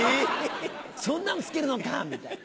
「そんなんつけるのか」みたいな。